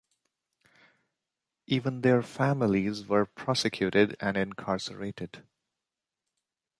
Even their families were prosecuted and incarcerated.